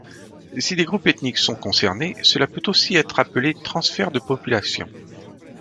Si des groupes ethniques sont concernés, cela peut aussi être appelé transfert de population.